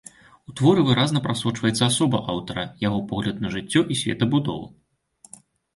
У творы выразна прасочваецца асоба аўтара, яго погляд на жыццё і светабудову.